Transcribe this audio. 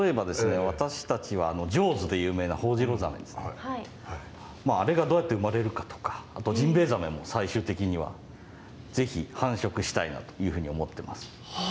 私たちは「ジョーズ」で有名なホオジロザメあれがどうやって生まれるかとかあとジンベエザメも最終的にはぜひ繁殖したいなというふうに思ってます。